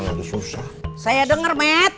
bagus lah kalau bener